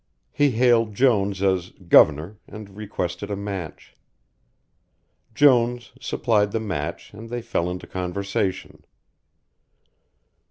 He hailed Jones as "Guvernor" and requested a match. Jones supplied the match, and they fell into conversation.